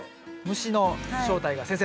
虫の正体が先生